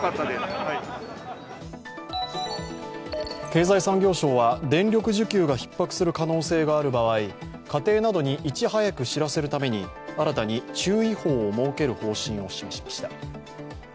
経済産業省は電力需給がひっ迫する可能性がある場合、家庭などにいち早く知らせるために新たに注意報を設ける方針を示しました。